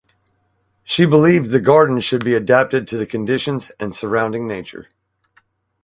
She believed the garden should be adapted to the conditions and surrounding nature.